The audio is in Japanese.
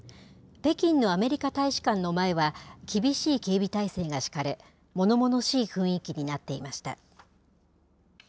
北京のアメリカ大使館の前は、厳しい警備態勢が敷かれ、ものものしい雰囲気になっていました。